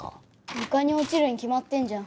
床に落ちるに決まってんじゃん。